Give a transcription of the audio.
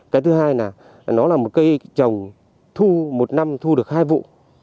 cái thứ hai là nó là một cây trồng thu một năm thu được hai vụ